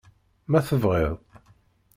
Ma tebɣiḍ.